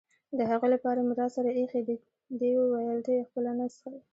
د هغوی لپاره مې راسره اېښي دي، دې وویل: ته یې خپله نه څښې؟